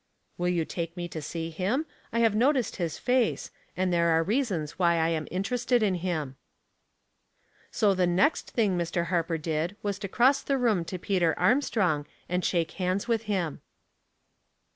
'" Will you take me to see him ? I have no ticed his face, and there are reasons why I am in *.erested in him." 236 Household Puzzles, So the next thing Mr. Harper did was to cross the room to Peter Armstrong and shake hands with him.